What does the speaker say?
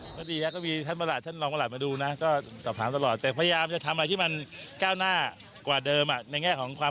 หลังจากนี้ต้องนำมาทุกข้อที่ผ่านมาสมมุติให้คุณภูมิขึ้นด้วย